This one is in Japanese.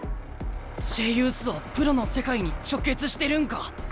Ｊユースはプロの世界に直結してるんか？